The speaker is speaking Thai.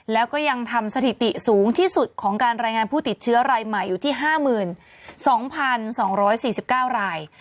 แล้วก็ยังทำสถิติสูงที่สุดของการรายงานผู้ติดเชื้อรายใหม่อยู่ที่๕๒๒๔๙ราย